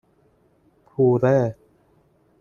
پوره